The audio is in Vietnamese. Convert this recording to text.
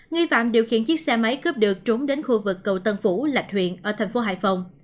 nghi phạm điều khiển chiếc xe máy cướp được trốn đến khu vực cầu tân phủ lạch huyện ở thành phố hải phòng